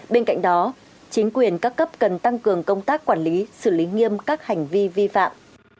bên cạnh đó chính quyền các cấp cần tăng cường công tác quản lý xử lý nghiêm các hành vi vi phạm